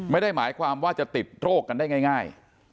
ไม่ได้หมายความว่าจะติดโรคกันได้ง่าย